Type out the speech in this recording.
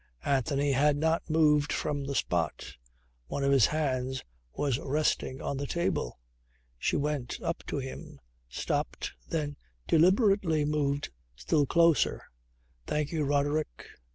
Anthony had not moved from the spot. One of his hands was resting on the table. She went up to him, stopped, then deliberately moved still closer. "Thank you, Roderick."